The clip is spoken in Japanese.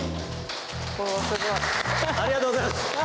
おすごい。ありがとうございます。